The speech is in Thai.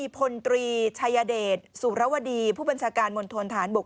พลตรีชายเดชสุรวดีผู้บัญชาการมณฑนฐานบก